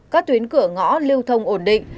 các tuyến cửa ngõ lưu thông ổn định